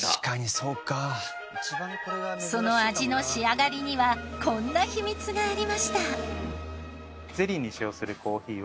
その味の仕上がりにはこんな秘密がありました。